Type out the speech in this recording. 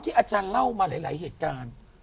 อาจารย์เล่ามาหลายเหตุการณ์